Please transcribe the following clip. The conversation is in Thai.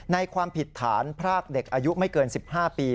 ความผิดฐานพรากเด็กอายุไม่เกิน๑๕ปี